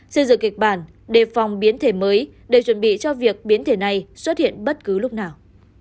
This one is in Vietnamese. xây dựng kịch bản đề phòng biến thể mới để chuẩn bị cho việc biến thể này xuất hiện bất cứ lúc nào